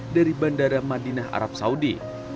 dari bandara madinah arab saudi